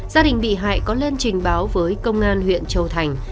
gia đình bị hại có lên trình báo với công an huyện châu thành